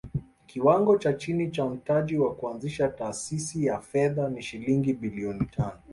Kiwango cha chini cha mtaji wa kuanzisha taasisi ya fedha ni shilingi bilioni tano